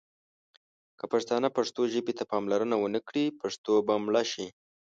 که پښتانه پښتو ژبې ته پاملرنه ونه کړي ، پښتو به مړه شي.